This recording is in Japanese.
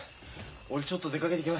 俺ちょっと出かけてきます。